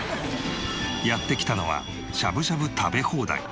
やって来たのはしゃぶしゃぶ食べ放題。